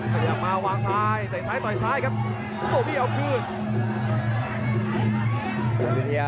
พาท่านผู้ชมกลับติดตามความมันกันต่อครับ